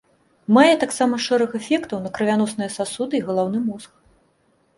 Мае таксама шэраг эфектаў на крывяносныя сасуды і галаўны мозг.